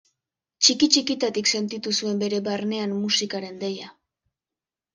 Txiki-txikitik sentitu zuen bere barnean musikaren deia.